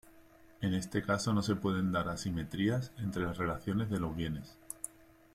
En este caso no se pueden dar asimetrías entre las relaciones de los bienes.